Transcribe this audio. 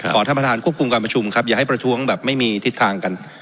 ท่านประธานควบคุมการประชุมครับอย่าให้ประท้วงแบบไม่มีทิศทางกัน